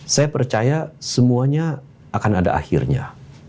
saya percaya semuanya akan ada akhirnya